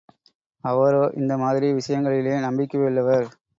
அவரோ, இந்த மாதிரி விஷயங்களிலே நம்பிக்கையுள்ளவர்.